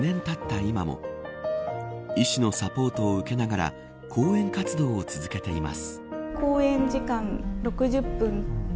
今も医師のサポートを受けながら講演活動を続けています。